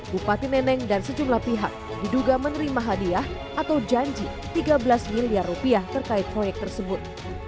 bupati neneng dan sejumlah pihak diduga menerima hadiah atau janji tiga belas miliar rupiah terkait proyek tersebut